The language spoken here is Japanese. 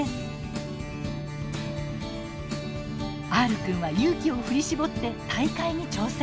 Ｒくんは勇気を振り絞って大会に挑戦。